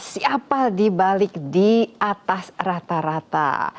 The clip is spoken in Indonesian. siapa di balik di atas rata rata